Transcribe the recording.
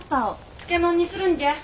漬物にするんじゃ。